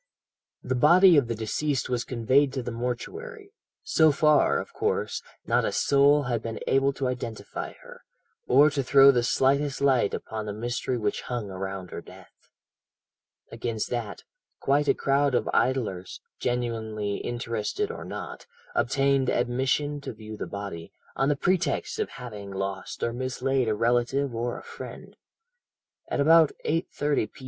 "The body of the deceased was conveyed to the mortuary. So far, of course, not a soul had been able to identify her, or to throw the slightest light upon the mystery which hung around her death. "Against that, quite a crowd of idlers genuinely interested or not obtained admission to view the body, on the pretext of having lost or mislaid a relative or a friend. At about 8.30 p.